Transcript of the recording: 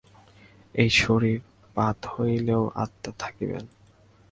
এই শরীর-পাত হইলেও আত্মা থাকিবেন।